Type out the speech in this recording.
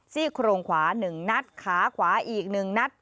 ซี่โครงขวา๑นัดขาขวาอีก๑นัด